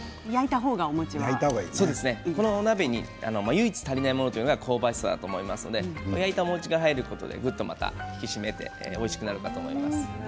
このお鍋に唯一足りないのが香ばしさだと思いますので焼いたお餅が入ることでぐっと引き締めておいしくなるかと思います。